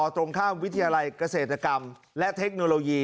ตรงข้ามวิทยาลัยเกษตรกรรมและเทคโนโลยี